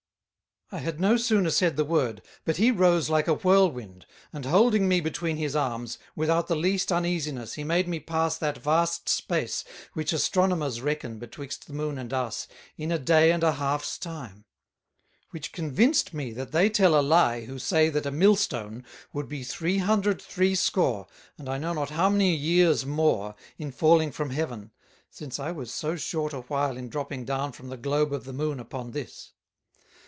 I had no sooner said the word, but he rose like a Whirlwind, and holding me between his Arms, without the least uneasiness he made me pass that vast space which Astronomers reckon betwixt the Moon and us, in a day and a halfs time; which convinced me that they tell a Lye who say that a Millstone would be Three Hundred Threescore, and I know not how many years more, in falling from Heaven, since I was so short a while in dropping down from the Globe of the Moon upon this.